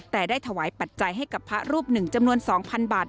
แต่ได้ถวายปัจจัยให้กับพระรูปหนึ่งจำนวน๒๐๐บาท